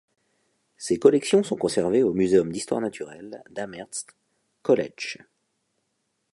Ses collections sont conservées au Muséum d'histoire naturelle d'Amherst College.